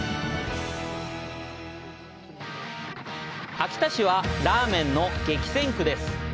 秋田市はラーメンの激戦区です。